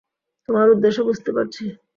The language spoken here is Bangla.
তোমার উদ্দেশ্য বুঝতে পারছি।